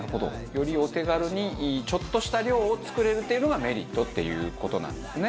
よりお手軽にちょっとした量を作れるっていうのがメリットっていう事なんですね。